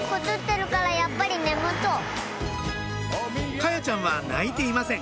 華彩ちゃんは泣いていません